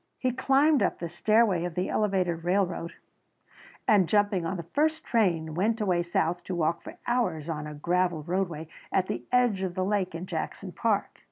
He climbed up the stairway of the elevated railroad and jumping on the first train went away south to walk for hours on a gravel roadway at the edge of the lake in Jackson Park.